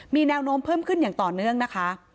มีแนวโน้มเพิ่มขึ้นอย่างต่อเนื่องนะคะ